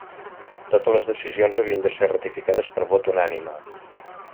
Totes les decisions havien de ser ratificades per vot unànime.